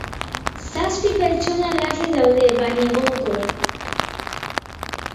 Zazpi pertsona larri daude, baina egonkor.